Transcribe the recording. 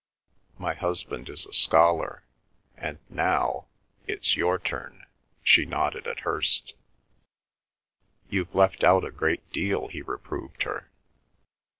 My husband is a scholar. And now—it's your turn," she nodded at Hirst. "You've left out a great deal," he reproved her.